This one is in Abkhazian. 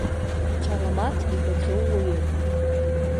Қьаламаҭ игаӡоу уаҩым.